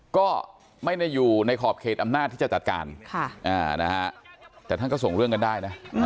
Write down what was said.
ก็ไม่ได้อยู่ในขอบเขตอำนาจที่จะจัดการแต่ท่านก็ส่งเรื่องกันได้นะ